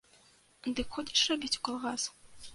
Дык ходзіш рабіць у калгас?